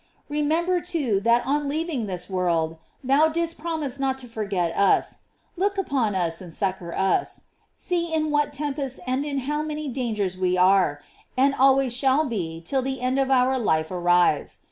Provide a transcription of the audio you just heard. Remember, too, that on leav ing this world, thou didst promise not to forget us. Look upon us and succor us. See in what tempests and in how many dangers we are, and always shall be, till the end of our life arrives.